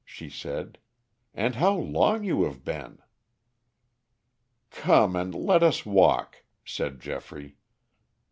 she said. "And how long you have been!" "Come and let us walk," said Geoffrey.